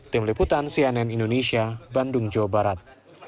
tim liputan cnn indonesia bandung jawa barat